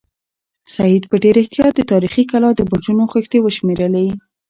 سعید په ډېر احتیاط د تاریخي کلا د برجونو خښتې وشمېرلې.